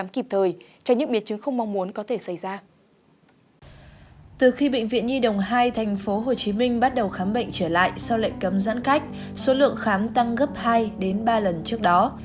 từ khi bệnh viện nhi đồng hai tp hcm bắt đầu khám bệnh trở lại sau lệnh cấm giãn cách số lượng khám tăng gấp hai đến ba lần trước đó